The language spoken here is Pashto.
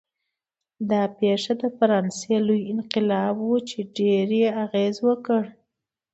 دا پېښه د فرانسې لوی انقلاب و چې ډېر یې اغېز وکړ.